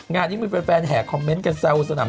งานยังมีแฟนแห่คอมเมนต์กันเซลล์อุตสนาม